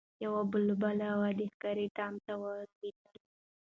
یو بلبل وو د ښکاري دام ته لوېدلی